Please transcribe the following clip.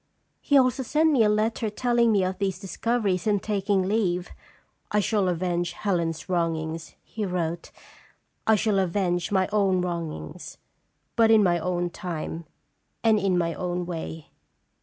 " He also sent me a letter telling me of these discoveries and taking leave. ' 1 shall avenge Helen's wrongs,' he wrote, ' I shall avenge my own wrongs, but in my own time and in my own way.